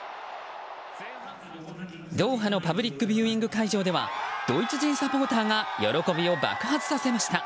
ドーハのパブリックビューイング会場ではドイツ人サポーターが喜びを爆発させました。